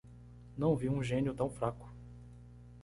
Não vi um gênio tão fraco